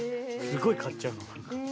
すごい買っちゃうの。